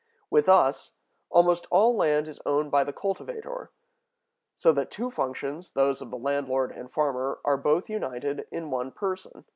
With us, almost all land is owned by the cultivator; so that two functions, those of the landlord and farmer, are both united in one person.